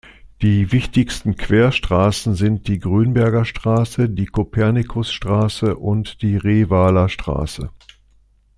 Die wichtigsten Querstraßen sind die Grünberger Straße, die Kopernikusstraße und die Revaler Straße.